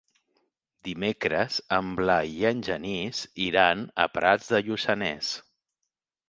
Dimecres en Blai i en Genís iran a Prats de Lluçanès.